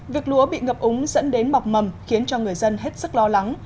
việc lúa bị ngập úng dẫn đến mọc mầm khiến cho người dân hết sức lo lắng